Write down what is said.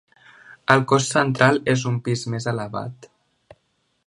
El cos central és un pis més elevat.